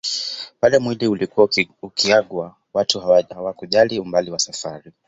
Pale mwili ulikuwa ukiagwa watu hawakujali umbali wa safari